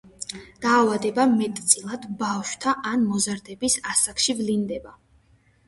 დაავადება მეტწილად ბავშვთა ან მოზარდობის ასაკში ვლინდება.